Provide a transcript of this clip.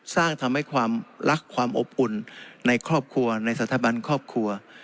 ทำให้ความรักความอบอุ่นในครอบครัวในสถาบันครอบครัว